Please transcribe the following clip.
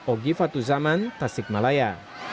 ogi fatuzaman tasik malaya